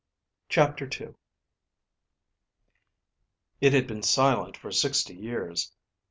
CHAPTER II It had been silent for sixty years.